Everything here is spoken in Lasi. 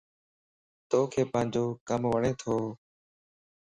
توک پانجو ڪم وڻتو؟